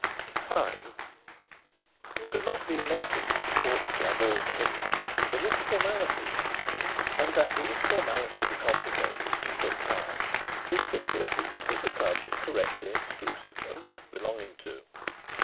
V You could not be elected to the Sports Club all in a minute. There were formalities; and that these formalities were complicated and took time is simply a proof that the club was correctly exclusive and worth belonging to.